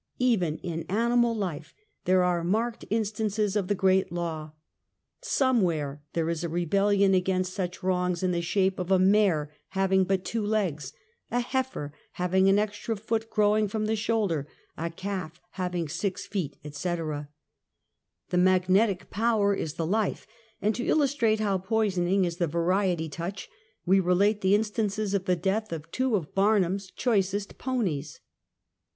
Even in animal life there are marked instances of the great law. Somewhere there is a rebellion against such wrongs in the shape of a mare having but two legs ; a heifer having an extra foot growing from the shoulder ; a calf having six feet, etc. The magnetic power is the life, and to illustrate how poisoning is the variety touch, we relate the instances of the deaths of two of Barnum's choicest ponies.